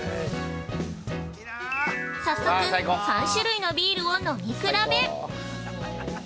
早速３種類のビールを飲み比べ！